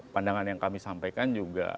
pandangan yang kami sampaikan juga